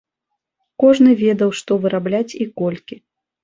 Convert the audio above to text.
Кожны ведаў, што вырабляць і колькі.